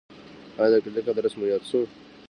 ایا د کلینیک ادرس مو یاد شو؟